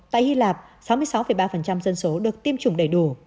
tại hy lạp sáu mươi sáu ba dân số được tiêm chủng đầy đủ